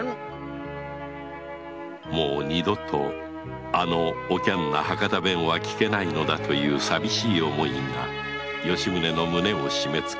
もう二度とあのおきゃんな博多弁は聞けないのだという寂しい思いが吉宗の胸を締めつけた